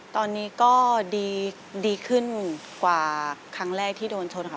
ตอนนี้ก็ดีขึ้นกว่าครั้งแรกที่โดนชนค่ะ